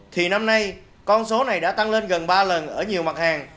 thì năm nay con số này đã tăng lên gần ba lần ở nhiều mặt hàng